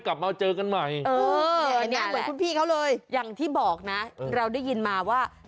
ก็เหมือนคุณอ่ะ